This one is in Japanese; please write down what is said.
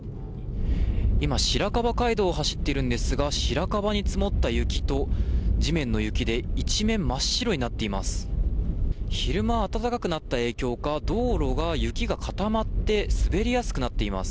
今、白樺街道を走っているんですが白樺に積もった雪と地面の雪で一面真っ白になっています。